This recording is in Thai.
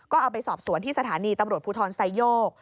ก็เอาไปสอบสวนที่สถานีตำรวจภูทรไซโยก